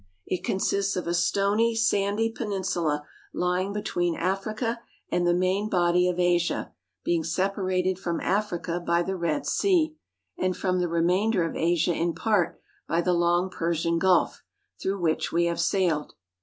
It consist's of a stony, sandy peninsula lying between Africa and the main body of Asia, being separated from Africa by the Red Sea, and from the remainder of Asia in part by the long Persian ARABIA, OR LIFE IN THE DESERT 337 Gulf, through which we have sailed.